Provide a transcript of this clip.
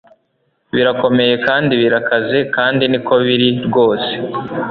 Birakomeye kandi birakaze kandi niko biri rwose